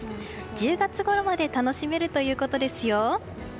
１０月ごろまで楽しめるということですよ。